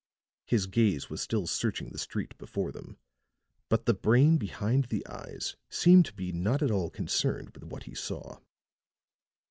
His gaze was still searching the street before them, but the brain behind the eyes seemed to be not at all concerned with what he saw.